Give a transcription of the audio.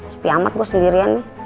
sepi amat gue sendirian nih